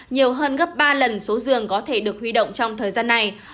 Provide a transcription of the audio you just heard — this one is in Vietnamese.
nhiều hơn gấp ba lần số giường có thể được huy động trong thời gian này